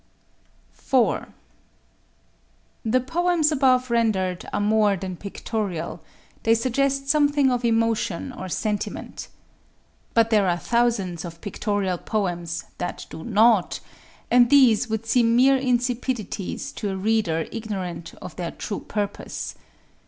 IV The poems above rendered are more than pictorial: they suggest something of emotion or sentiment. But there are thousands of pictorial poems that do not; and these would seem mere insipidities to a reader ignorant of their true purpose.